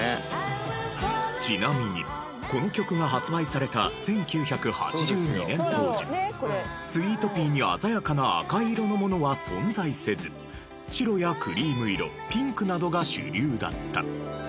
ちなみにこの曲が発売された１９８２年当時スイートピーに鮮やかな赤色のものは存在せず白やクリーム色ピンクなどが主流だった。